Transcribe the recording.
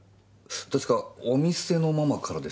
確かお店のママからでしたよね？